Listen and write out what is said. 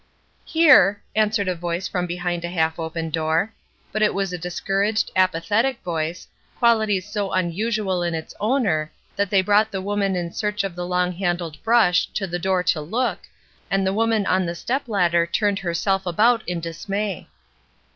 "Here," answered a voice from behind a half open door; but it was a discouraged, apa thetic voice, qualities so unusual in its owner that they brought the woman in search of the long handled brush to the door to look, and the woman on the step ladder turned herself about in dismay.